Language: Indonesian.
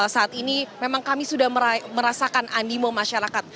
saat ini memang kami sudah merasakan animo masyarakat